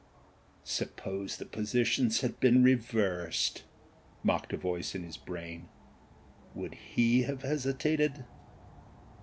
'^Suppose the positions had been reversed," mocked a voice in his brain. "Would he have hesitated?'